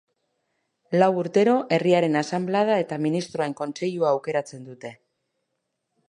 Lau urtero Herriaren Asanblada eta Ministroen Kontseilua aukeratzen dute.